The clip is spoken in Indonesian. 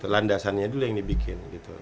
landasannya dulu yang dibikin